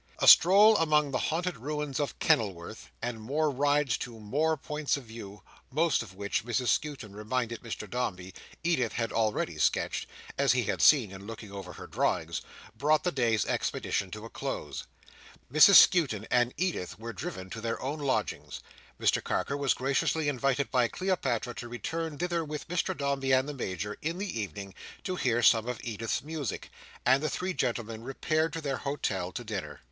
A stroll among the haunted ruins of Kenilworth, and more rides to more points of view: most of which, Mrs Skewton reminded Mr Dombey, Edith had already sketched, as he had seen in looking over her drawings: brought the day's expedition to a close. Mrs Skewton and Edith were driven to their own lodgings; Mr Carker was graciously invited by Cleopatra to return thither with Mr Dombey and the Major, in the evening, to hear some of Edith's music; and the three gentlemen repaired to their hotel to dinner.